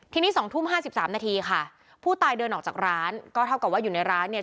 ทีนี้๒ทุ่ม๕๓นาทีค่ะผู้ตายเดินออกจากร้านก็เท่ากับว่าอยู่ในร้านเนี่ย